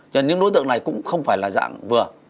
nhưng những đối tượng này cũng không phải là dạng vừa